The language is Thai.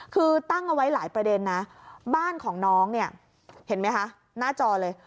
คือตั้งเอาไว้หลายประเด็นนะบ้านของน้องเนี่ยเห็นไหมคะหน้าจอเลย